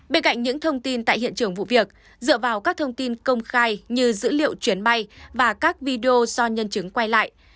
bên cạnh những thông tin tại hiện trường vụ việc dựa vào các thông tin công khai như dữ liệu chuyến bay và các video do nhân chứng quay lại